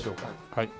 はい。